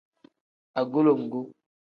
Agulonguni.